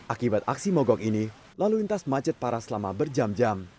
akibat aksi mogok ini laluintas macet para selama berjam jam